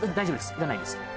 いらないです。